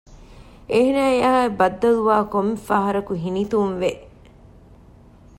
އޭނާއާއި ބައްދަލުވާ ކޮންމެ ފަހަރަކު ހިނިތުންވެ